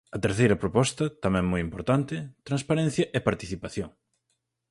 A terceira proposta, tamén moi importante: transparencia e participación.